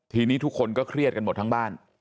ทีนี้ทุกคนก็เครียดกันหมดทั้งบ้าน